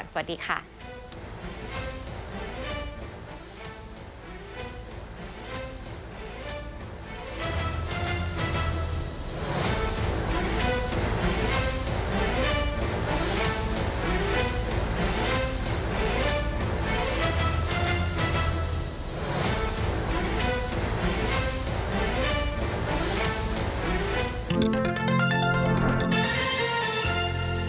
โปรดติดตามตอนต่อไป